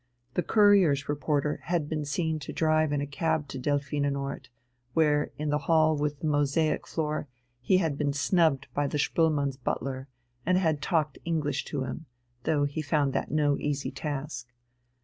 The Courier's reporter had been seen to drive in a cab to Delphinenort, where, in the hall with the mosaic floor, he had been snubbed by the Spoelmanns' butler, and had talked English to him though he found that no easy task.